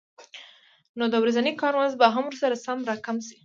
نو د ورځني کار مزد به هم ورسره سم راکم شي